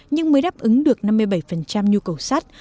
nhưng mới đáp ứng được năm mươi bảy nhu cầu sắt